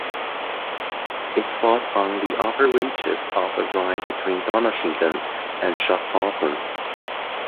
It fought on the upper reaches of the Rhine between Donaueschingen and Schaffhausen.